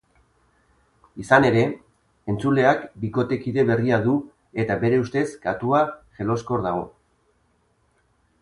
Izan ere, entzuleak bikotekide berria du eta bere ustez katua jeloskor dago.